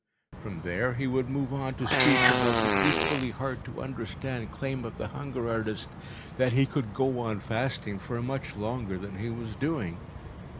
From there he would move on to speak about the equally hard to understand claim of the hunger artist that he could go on fasting for much longer than he was doing.